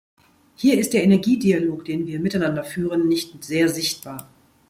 Hier ist der Energiedialog, den wir miteinander führen, nicht sehr sichtbar.